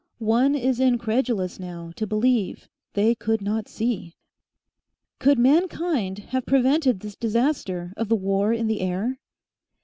One is incredulous now to believe they could not see. Could mankind have prevented this disaster of the War in the Air?